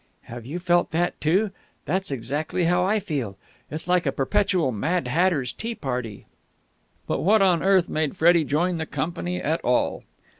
"Have you felt that, too? That's exactly how I feel. It's like a perpetual 'Mad Hatter's Tea Party.'" "But what on earth made Freddie join the company at all?"